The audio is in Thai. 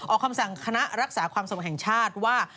คำสั่งคณะรักษาความสงบแห่งชาติว่า